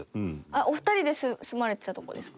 お二人で住まれてたとこですか？